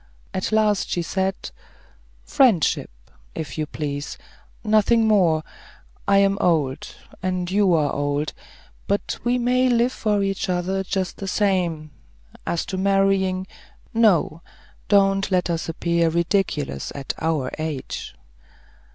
At last she said, "Friendship, if you please; nothing more. I am old, and you are old, but we may live for each other just the same; as to marrying no; don't let us appear ridiculous at our age."